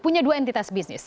punya dua entitas bisnis